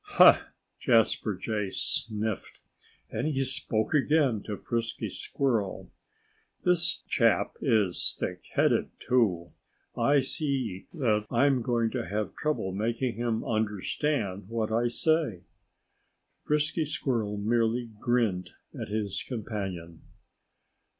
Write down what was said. "Ha!" Jasper Jay sniffed. And he spoke again to Frisky Squirrel. "This chap is thick headed, too. I see that I'm going to have trouble making him understand what I say." Frisky Squirrel merely grinned at his companion.